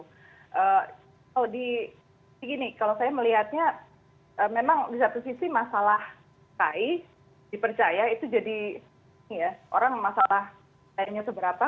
kalau di sini kalau saya melihatnya memang di satu sisi masalah kai dipercaya itu jadi orang masalah kayanya seberapa